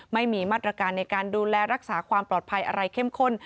ไม่มีมาตรการในการดูแลรักษาความปลอดภัยอะไรเข้มข้น